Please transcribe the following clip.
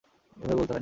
এইভাবে বলতে হয় না।